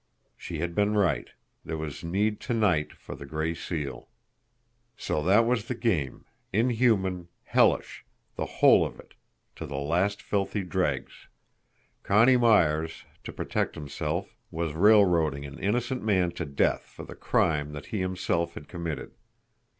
She had been right there was need to night for the Gray Seal. So that was the game, inhuman, hellish, the whole of it, to the last filthy dregs Connie Myers, to protect himself, was railroading an innocent man to death for the crime that he himself had committed!